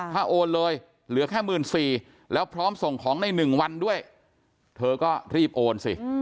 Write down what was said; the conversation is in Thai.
ถ้าโอนเลยเหลือแค่๑๔๐๐แล้วพร้อมส่งของใน๑วันด้วยเธอก็รีบโอนสิ